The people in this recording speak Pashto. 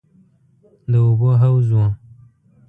د اوبو حوض و.